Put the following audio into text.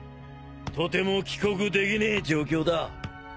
とても帰国できねえ状況だ。